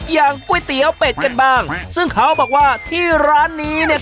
อย่างก๋วยเตี๋ยวเป็ดกันบ้างซึ่งเขาบอกว่าที่ร้านนี้เนี่ย